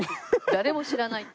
誰も知らないって。